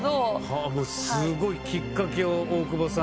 はあすごいきっかけを大久保さん。